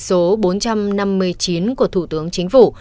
số bốn trăm năm mươi chín của thủ tướng chính phủ